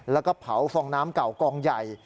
แล้วก็เผาฟองน้ำเก่ากองใหญ่